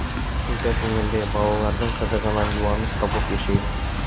Өйҙә күңелле, балаларҙың ҡыҙығынан йыуаныс табып йәшәйбеҙ.